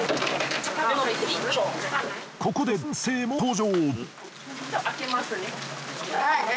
ここで男性も登場。